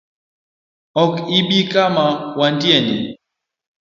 Ok ibi kama wantieni?